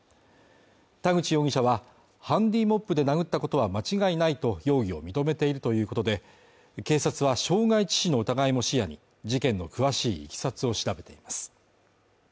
田口容疑者はハンディーモップで殴ったことは間違いないと容疑を認めているということで警察は傷害致死の疑いも視野に、事件の詳しい経緯を調べています。